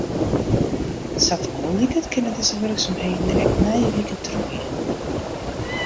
Sa't it no liket kinne dizze wurksumheden ek nije wike trochgean.